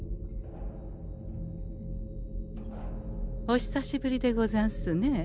お久しぶりでござんすねえ